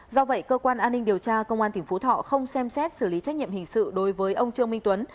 do vậy cơ quan an ninh điều tra công an tỉnh phú thọ không xem xét xử lý trách nhiệm hình sự đối với ông trương minh tuấn